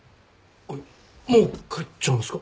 もう帰っちゃうんすか？